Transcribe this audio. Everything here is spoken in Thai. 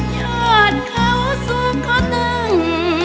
ยอดเข้าสู่ข้าตึง